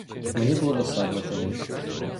Мені було досадно чогось.